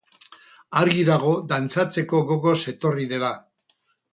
Argi dago dantzatzeko gogoz etorri dela.